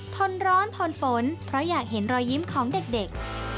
ทนร้อนทนฝนเพราะอยากเห็นรอยยิ้มของเด็ก